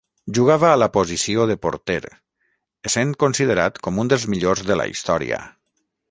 Jugava a la posició de porter, essent considerat com un dels millors de la història.